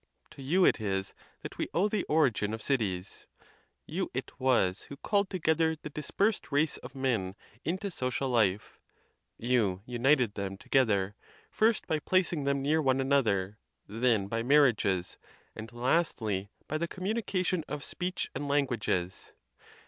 To you it is that we owe the origin of cities; you it was who called together the dispersed race of men into social life; you united them together, first, by placing them near one another, then by marriages, and lastly, by the communica tion of speech and languages.